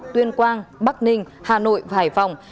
tuyên quang bắc ninh hà nội và hải phòng